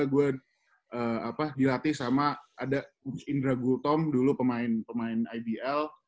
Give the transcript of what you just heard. gue diberkati juga gue dilatih sama ada indra gutom dulu pemain abl